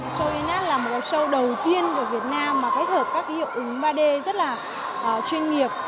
show inat là một show đầu tiên của việt nam mà kết hợp các cái hiệu ứng ba d rất là chuyên nghiệp